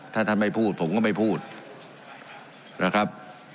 ถ้าท่านไม่พูดผมก็ไม่พูดนะครับ